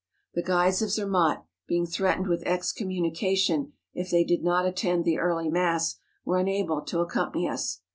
The guides of Zermatt, being threat¬ ened with excommunication if they did not attend the early mass, were unable to accompany us.